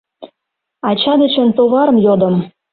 Ача дечын товарым йодым -